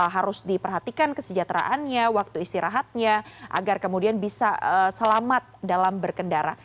harus diperhatikan kesejahteraannya waktu istirahatnya agar kemudian bisa selamat dalam berkendara